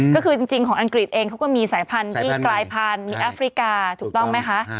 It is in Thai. ก็คือจริงของอังกฤษเองเขาก็มีสายพันธุ์ที่กลายพันธุ์มีแอฟริกาถูกต้องไหมคะ